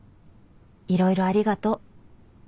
いろいろありがと。